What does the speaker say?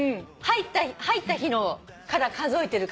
入った日から数えてるから。